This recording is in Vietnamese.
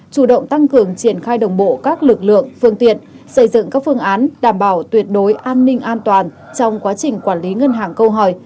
chủ động tăng cường triển khai đồng bộ các lực lượng phương tiện xây dựng các phương án đảm bảo tuyệt đối an ninh an toàn trong quá trình quản lý ngân hàng câu hỏi